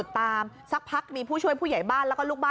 จ้ะหนูรักไม่ได้จริงจ้ะหนูรักไม่ได้จริงจ้ะ